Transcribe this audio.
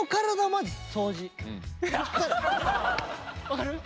分かる？